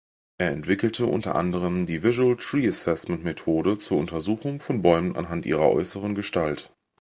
Er entwickelte unter anderem die "Visual-Tree-Assessment"-Methode zur Untersuchung von Bäumen anhand ihrer äußeren Gestalt.